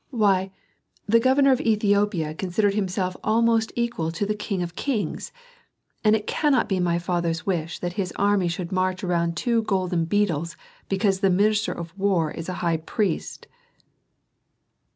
Why, the governor of Ethiopia considered himself as almost equal to the king of kings. And it cannot be my father's wish that his army should march around two golden beetles because the minister of war is a high priest."